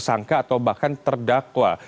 sangka atau bahkan terdakwa